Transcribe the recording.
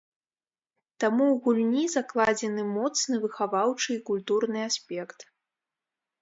Таму ў гульні закладзены моцны выхаваўчы і культурны аспект.